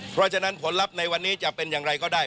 เพราะฉะนั้นผลลัพธ์ในวันนี้จะเป็นอย่างไรก็ได้